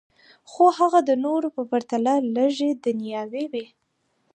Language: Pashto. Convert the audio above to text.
خو هغه د نورو په پرتله لږې دنیاوي وې